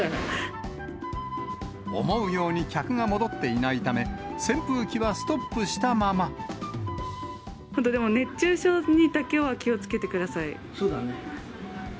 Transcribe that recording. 思うように客が戻っていないため、本当でも、熱中症にだけは気そうだね。